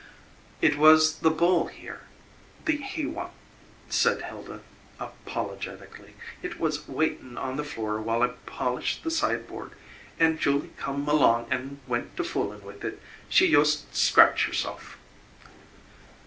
"It was the bowl here, the he one," said Hilda apologetically. "It was waitin' on the floor while I polished the sideboard, and Julie come along an' went to foolin' with it. She yust scratch herself."